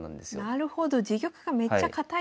なるほど自玉がめっちゃ堅いから。